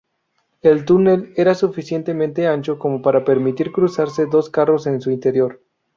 El túnel era suficientemente ancho como para permitir cruzarse dos carros en su interior.